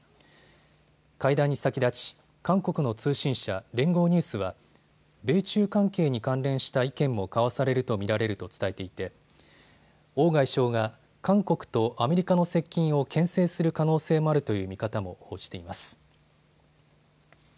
会談に先立ち韓国の通信社、連合ニュースは米中関係に関連した意見も交わされると見られると伝えていて王外相が韓国とアメリカの接近をけん制する可能性もあるという見方も報じています。